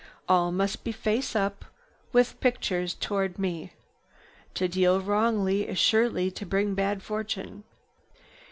All must be face up with pictures toward me. To deal wrongly is sure to bring bad fortune."